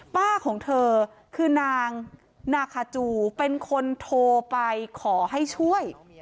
ของเธอคือนางนาคาจูเป็นคนโทรไปขอให้ช่วย